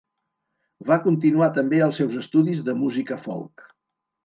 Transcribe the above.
Va continuar també els seus estudis de música folk.